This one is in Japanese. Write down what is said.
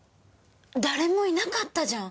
誰もいなかったじゃん！